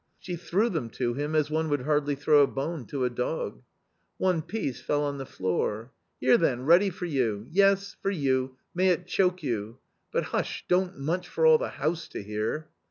She threw them to him, as one would hardly throw a bone to a dog. One piece fell on the floor. " Here, then, ready for you ! yes ! for you, may it choke you. But hush, don't munch for all the house to hear!"